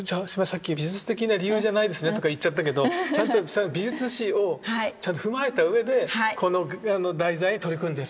さっき「美術的な理由じゃないですね」とか言っちゃったけどちゃんと美術史をちゃんと踏まえたうえでこの題材に取り組んでいるっていう。